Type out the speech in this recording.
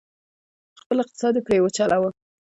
خپل اقتصاد یې پرې وچلوه،